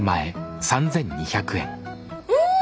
うん！